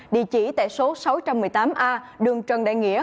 địa chỉ tại số sáu trăm một mươi tám a đường trần đại nghĩa